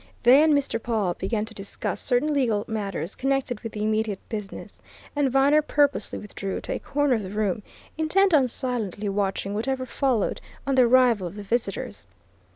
They and Mr. Pawle began to discuss certain legal matters connected with the immediate business, and Viner purposely withdrew to a corner of the room, intent on silently watching whatever followed on the arrival of the visitors.